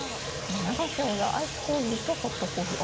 永瀬王座、アイスコーヒーとホットコーヒー。